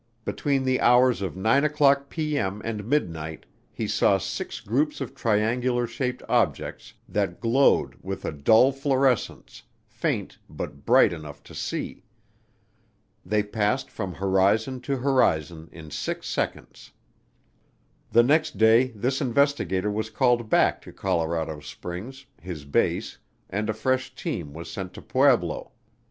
Between the hours of 9:00P.M. and midnight he saw six groups of triangular shaped objects that glowed "with a dull fluorescence, faint but bright enough to see." They passed from horizon to horizon in six seconds. The next day this investigator was called back to Colorado Springs, his base, and a fresh team was sent to Pueblo.